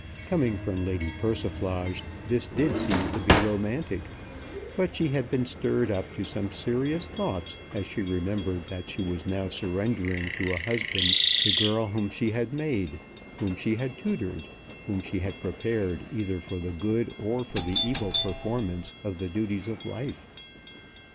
Coming from Lady Persiflage this did seem to be romantic; but she had been stirred up to some serious thoughts as she remembered that she was now surrendering to a husband the girl whom she had made, whom she had tutored, whom she had prepared either for the good or for the evil performance of the duties of life.